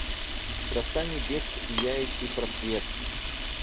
Краса небес в зияющий просвет;.